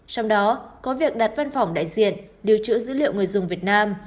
trong đó có việc đặt văn phòng đại diện điều trữ dữ liệu người dùng việt nam